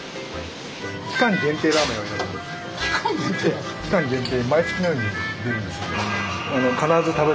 期間限定？期間限定。